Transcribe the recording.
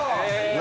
何？